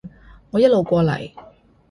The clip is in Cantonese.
我一路過嚟